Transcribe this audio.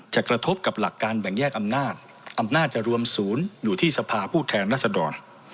กระทบกับหลักการแบ่งแยกอำนาจอำนาจจะรวมศูนย์อยู่ที่สภาผู้แทนรัศดร